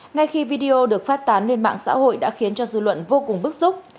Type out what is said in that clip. ngay khi video được phát tán lên mạng xã hội đã khiến cho dư luận vô cùng bức xúc